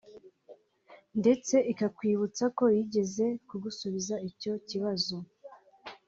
ndetse ikakwibutsa ko yigeze kugusubiza icyo kibazo